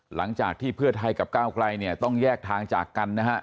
หลังจากที่เพื่อไทยกับก้าวไกลเนี่ยต้องแยกทางจากกันนะฮะ